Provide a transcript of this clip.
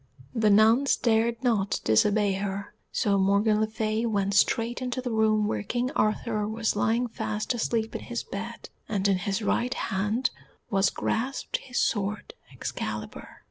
The nuns dared not disobey her, so Morgan le Fay went straight into the room where King Arthur was lying fast asleep in his bed, and in his right hand was grasped his sword Excalibur.